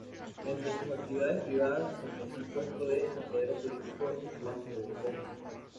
Entre sus actividades privadas, desempeñó el puesto de consejero político de Juan de Borbón.